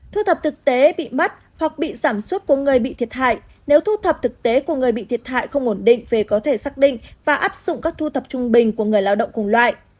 thu thập thực tế bị mất hoặc bị giảm suốt của người bị thiệt hại nếu thu thập thực tế của người bị thiệt hại không ổn định về có thể xác định và áp dụng các thu tập trung bình của người lao động cùng loại